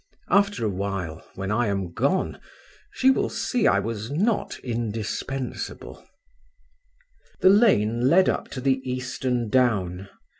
After a while, when I am gone, she will see I was not indispensable…." The lane led up to the eastern down.